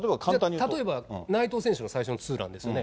例えば内藤選手が最初のツーランですよね。